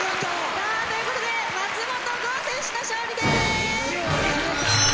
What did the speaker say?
さあという事で松本剛選手の勝利です。